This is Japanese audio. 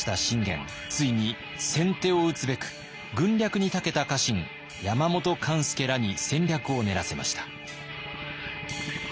ついに先手を打つべく軍略に長けた家臣山本勘助らに戦略を練らせました。